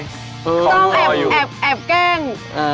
ต้องแอบแอบแอบแกล้ง